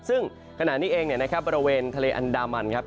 ซึ่งขณะนี้เองเนี่ยนะครับบริเวณทะเลอันดามันครับ